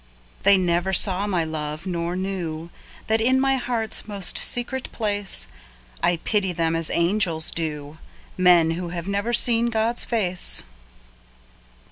They never saw my love, nor knew That in my heart's most secret place I pity them as angels do Men who have never seen God's face.